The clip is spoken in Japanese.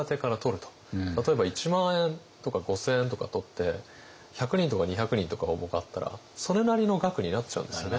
例えば１万円とか５，０００円とか取って１００人とか２００人とか応募があったらそれなりの額になっちゃうんですよね。